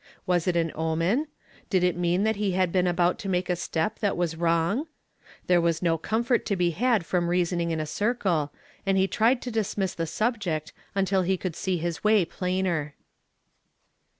Was it an omen? Did it mean that he liad been about to take a step that was wrong ? There was no comfort to be luid from reasoning in a circle, and he ^ied to dismiss the subject until he could see his way i)lainer.